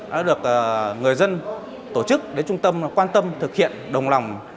đã được người dân tổ chức đến trung tâm quan tâm thực hiện đồng lòng